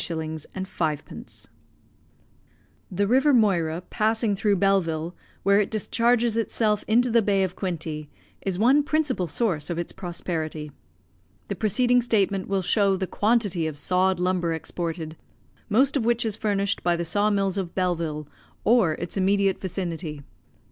2,052 0 0 L52,532 17 5 The River Moira passing through Belleville, where it discharges itself into the Bay of Quinte, is one principal source of its prosperity. The preceding statement will show the quantity of sawed lumber exported, most of which is furnished by the saw mills of Belleville, or its immediate vicinity.